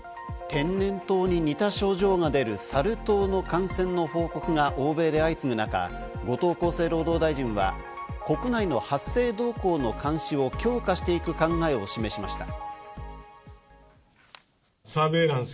天然痘に似た症状が出るサル痘の感染の報告が欧米で相次ぐ中、後藤厚生労働大臣は国内の発生動向の監視を強化していく考えを示しました。